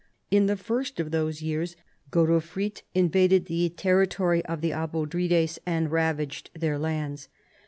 In the first of those years Godofrid invaded the territory of tlie Abodrites and ravaged their lands.